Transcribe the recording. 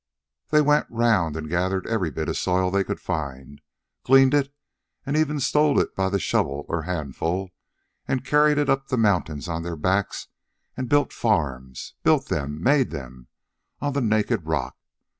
They went around and gathered every bit of soil they could find, gleaned it and even stole it by the shovelful or handful, and carried it up the mountains on their backs and built farms BUILT them, MADE them, on the naked rock.